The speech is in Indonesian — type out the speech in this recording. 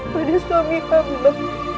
pada suami hamba